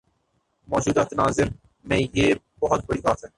موجودہ تناظر میں یہ بہت بڑی بات ہے۔